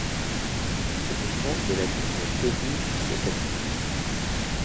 C'est une branche de la ligne Tōbu Isesaki.